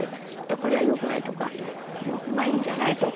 これはよくないとかまあいいんじゃないとか。